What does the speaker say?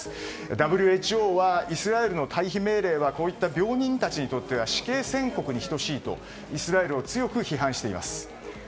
ＷＨＯはイスラエルの退避命令はこういった病人たちにとって死刑宣告に等しいとイスラエルを強く批判しています。